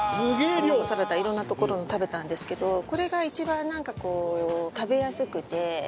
卵サラダいろんなところの食べたんですけどこれが一番なんかこう食べやすくて。